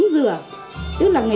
bức này là bức hứng dừa